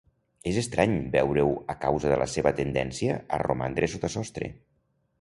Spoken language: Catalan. És estrany veure-ho a causa de la seva tendència a romandre sota sostre.